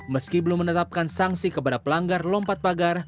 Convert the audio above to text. meski belum menetapkan sanksi kepada pelanggar lompat pagar